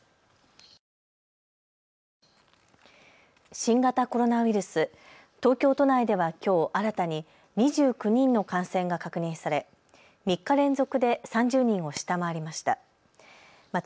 新型コロナウイルス、東京都内ではきょう新たに２９人の感染が確認され３日連続で３０人を下回りました。